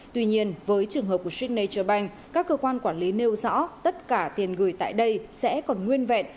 tuy nhiên với trường hợp của st nature bank các cơ quan quản lý nêu rõ tất cả tiền gửi tại đây sẽ còn nguyên vẹn